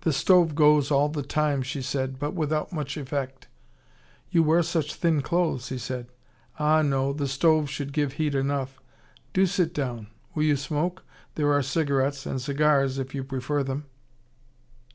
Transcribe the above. "The stove goes all the time," she said, "but without much effect." "You wear such thin clothes," he said. "Ah, no, the stove should give heat enough. Do sit down. Will you smoke? There are cigarettes and cigars, if you prefer them."